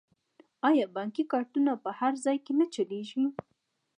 آیا بانکي کارتونه په هر ځای کې نه چلیږي؟